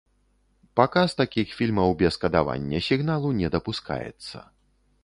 Паказ такіх фільмаў без кадавання сігналу не дапускаецца.